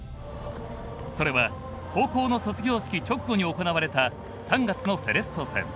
それは高校の卒業式直後に行われた３月のセレッソ戦。